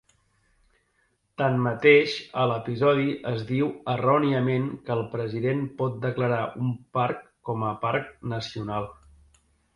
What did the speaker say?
Tanmateix, a l'episodi es diu erròniament que el president pot declarar un parc com a parc nacional.